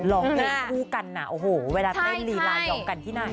หลอกเด็กคู่กันเวลาเรียนไลน์หลอกกันที่ไหน